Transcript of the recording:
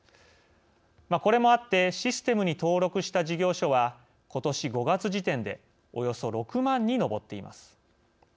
これもあってシステムに登録した事業所はことし５月時点でおよそ６万に上っています。